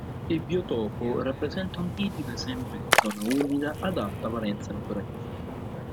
Il biotopo, rappresenta un tipico esempio di zona umida ad alta valenza naturalistica.